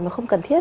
mà không cần thiết